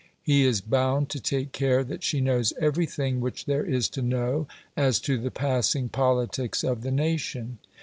He is bound to take care that she knows everything which there is to know as to the passing politics of the nation.